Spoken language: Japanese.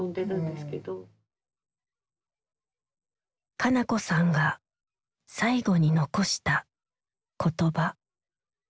香夏子さんが最後に残した言葉。